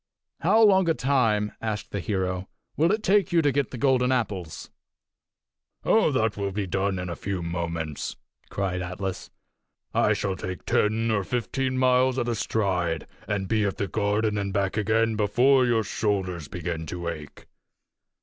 "And how long a time," asked the hero, "will it take you to get the golden apples?" "Oh, that will be done in a few moments!" cried Atlas. "I shall take ten or fifteen miles at a stride, and be at the garden and back again before your shoulders begin to ache."